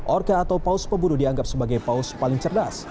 orka atau paus peburu dianggap sebagai paus paling cerdas